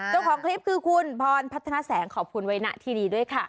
เจ้าของคลิปคือคุณพรพัฒนาแสงขอบคุณไว้นะที่ดีด้วยค่ะ